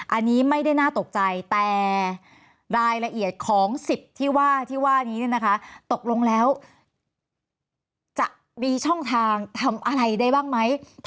อันนี้ไม่ได้น่าตกใจแต่รายละเอียดของ๑๐ที่ว่านี้นะคะ